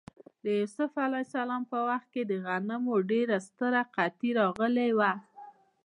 د یوسف ع په وخت کې د غنمو ډېره ستره قحطي راغلې وه.